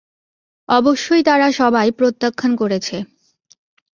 অবশ্যই তারা সবাই প্রত্যাখ্যান করেছে।